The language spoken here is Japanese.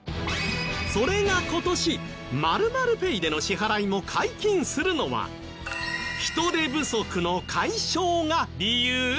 それが今年○○Ｐａｙでの支払いも解禁するのは人手不足の解消が理由？